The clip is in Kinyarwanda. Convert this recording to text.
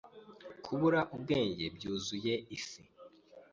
kubura ubwenge byuzuye isi,